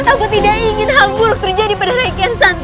aku tidak ingin hal buruk terjadi pada reikian santa